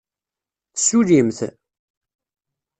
Tessullimt?